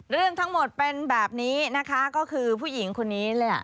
เรื่องทั้งหมดเป็นแบบนี้นะคะก็คือผู้หญิงคนนี้แหละ